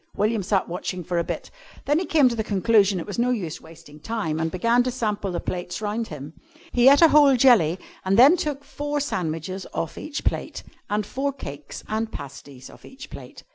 William sat watching for a bit. Then he came to the conclusion that it was no use wasting time, and began to sample the plates around him. He ate a whole jelly, and then took four sandwiches off each plate, and four cakes and pasties off each plate.